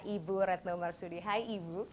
ibu retno marsudi hai ibu